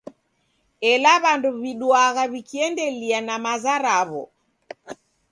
Ela w'andu w'iduagha w'ikiendelia na maza raw'o.